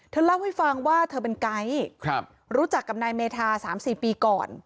เล่าให้ฟังว่าเธอเป็นไก๊รู้จักกับนายเมธา๓๔ปีก่อน